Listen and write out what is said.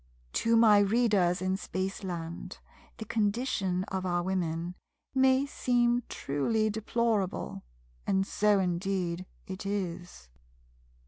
To my readers in Spaceland the condition of our Women may seen truly deplorable, and so indeed it is.